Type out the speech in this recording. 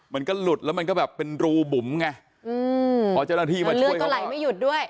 มันก็หลุดแล้วมันก็แบบเป็นรูบุ๋มไงอืมถ้าเหลือก็ไหลไม่หยุดด้วย